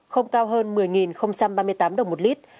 không cao hơn một mươi ba mươi tám đồng một lít